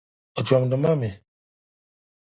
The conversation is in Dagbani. O chomdi ma mi.